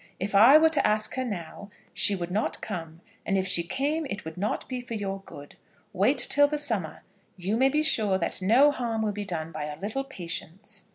If I were to ask her now, she would not come; and if she came it would not be for your good. Wait till the summer. You may be sure that no harm will be done by a little patience."